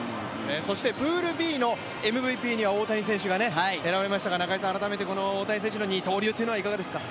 そしてプールＢのＭＶＰには大谷選手が選ばれましたけど改めて大谷選手の二刀流はいかがですか？